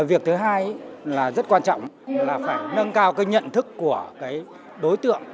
việc thứ hai rất quan trọng là phải nâng cao nhận thức của đối tượng